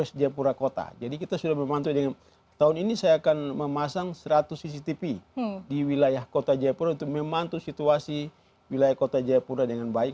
di jayapura kota jadi kita sudah memantau dengan tahun ini saya akan memasang seratus cctv di wilayah kota jayapura untuk memantau situasi wilayah kota jayapura dengan baik